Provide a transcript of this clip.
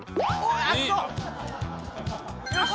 よし！